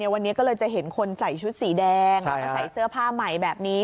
วันนี้ก็เลยจะเห็นคนใส่ชุดสีแดงแล้วก็ใส่เสื้อผ้าใหม่แบบนี้